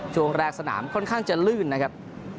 ช่วงแรกสนามค่อนข้างจะลื่นนะครับ